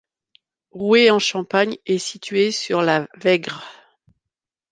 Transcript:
Rouez-en-Champagne est située sur la Vègre.